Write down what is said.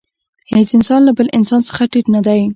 هېڅ انسان له بل انسان څخه ټیټ نه دی.